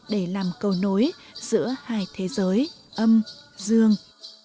để làm cầu nối giữa hai thế giới âm dương